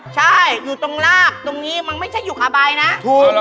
ใช่อยู่ตรงลากตรงนี้มันไม่ใช่อยู่ขาใบนะถูกหรอ